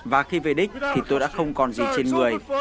và khi về đích thì tôi đã không còn gì trên người